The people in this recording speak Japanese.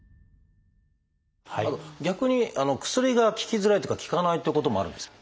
逆に薬が効きづらいっていうか効かないってこともあるんですか？